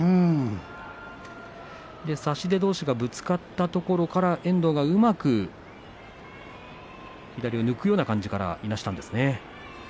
差し手どうしがぶつかったところで遠藤がうまく左を抜くような感じからいなしました。